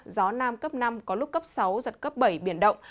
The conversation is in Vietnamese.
gió nam cấp năm có lúc cấp sáu giật cấp bảy biển động